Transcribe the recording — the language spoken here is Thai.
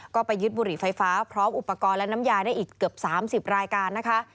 ก็ไปยึดบุหรี่ไฟฟ้าพร้อมอุปกรณ์และน้ำยาได้อีกเกือบ๓๐รายการนะคะ